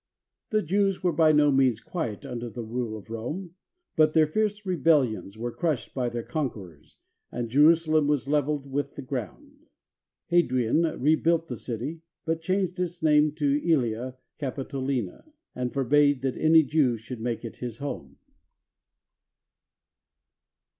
The Jews were by no means quiet under the rule of Rome; but their fierce rebellions were crushed by their conquerors, and Jerusalem was leveled with the ground. Hadrian re built the city, but changed its name to ^Elia Capitolina, and forbade that any Jew should make it his home.